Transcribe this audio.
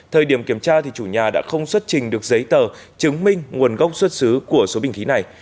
thời điểm kiểm tra chủ nhà đã không xuất trình được giấy tờ chứng minh nguồn gốc xuất xứ của số bình khí này